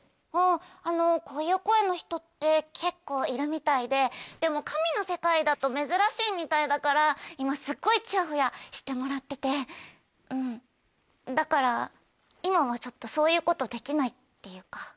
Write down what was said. あのこういう声の人って結構いるみたいででも神の世界だと珍しいみたいだから今すっごいちやほやしてもらっててうんだから今はちょっとそういうことできないっていうか。